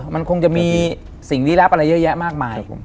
มันคงจะมีสิ่งดีละเยอะแยะมากมาย